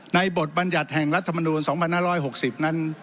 ในบทบรรยัดแห่งรัฐมนูน๒๕๖๐